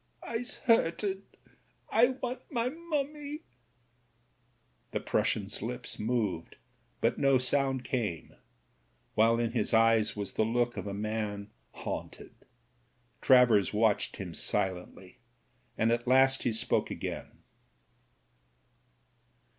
"Fse hurted; I want my mummie." The Prussian's lips moved, but no sound came, while in his eyes was the look of a man haunted. Travers watched him silently ; and at length he spoke again.